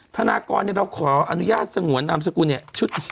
ธนากรเราขออนุญาตสงวนนามสกุลเนี่ย